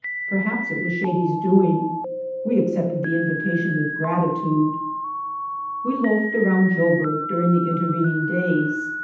Perhaps it was Shady's doing. We accepted the invitation with gratitude. We loafed around Joburg during the inter vening days.